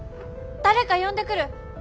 誰か呼んでくる！